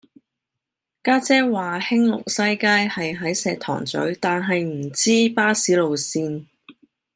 家姐話興隆西街係喺石塘咀但係唔知巴士路線